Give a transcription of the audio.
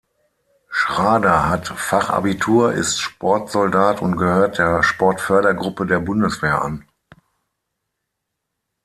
Schrader hat Fachabitur, ist Sportsoldat und gehört der Sportfördergruppe der Bundeswehr an.